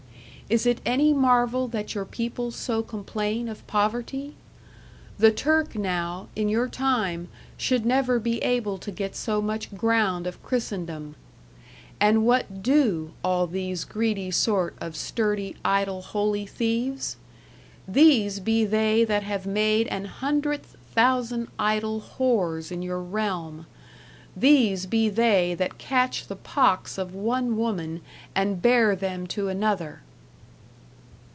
Is it any merveille that youre people so compleine of povertie? The Turke nowe, in your tyme, shulde never be abill to get so moche grounde of christendome.... And whate do al these gredy sort of sturdy, idell, holy theves? These be they that have made an hundredth thousand idell hores in your realme. These be they that catche the pokkes of one woman, and here them to an other.